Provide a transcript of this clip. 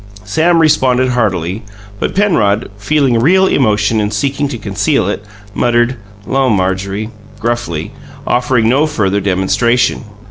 Sam responded heartily; but Penrod, feeling real emotion and seeking to conceal it, muttered, "'Lo, Marjorie!" gruffly, offering no further demonstration.